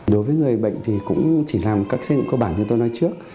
đối với người bệnh thì cũng chỉ làm các xét nghiệm cơ bản như tôi nói trước